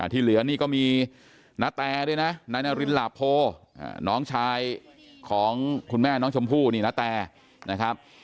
ที่เหลือนี่ก็มีนาแตด้วยนะนายนารินหลาโพน้องชายของคุณแม่น้องชมพู่นี่นาแตนะครับ